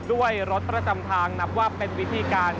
ด้วยรถประจำทางนับว่าเป็นวิธีการ